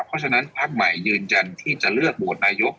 เพราะฉะนั้นพักใหม่ยืนยันที่จะเลือกโหวตนายก